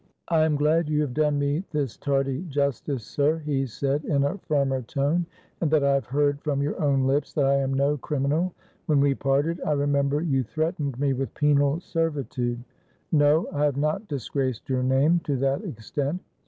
"I am glad you have done me this tardy justice, sir," he said, in a firmer tone, "and that I have heard from your own lips that I am no criminal. When we parted, I remember you threatened me with penal servitude. No, I have not disgraced your name to that extent.